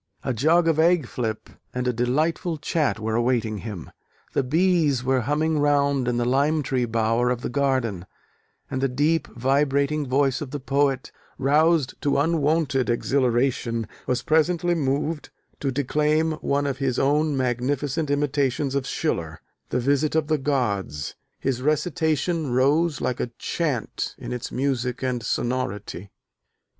A jug of egg flip and a delightful chat were awaiting him: the bees were humming round in the "lime tree bower" of the garden: and the deep, vibrating voice of the poet, roused to unwonted exhilaration, was presently moved to declaim one of his own magnificent imitations from Schiller, The Visit of the Gods. His recitation rose like a chant in its music and sonority.